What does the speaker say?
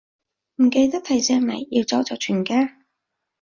唔記得提醒你，要走就全家